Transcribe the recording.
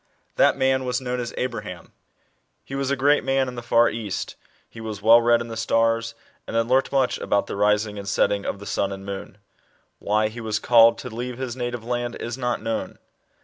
That man was known as Abraham. He was a great man in the far East; he was well read in the stars, and had learnt much about the rising and setting of the sun and moon. Why he was called to leave his native land is not known.